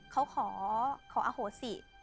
เขาขอขออโฮศิ